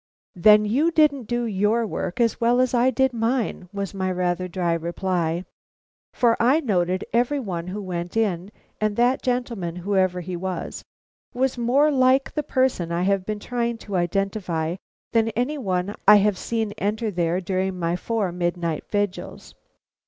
"Then you didn't do your work as well as I did mine," was my rather dry reply. "For I noted every one who went in; and that gentleman, whoever he was, was more like the person I have been trying to identify than any one I have seen enter there during my four midnight vigils."